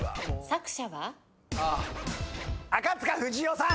作者は？